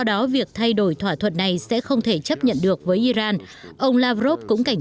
do đó việc thay đổi thỏa thuận này sẽ không thể chấp nhận được với iran ông lavrov cũng cảnh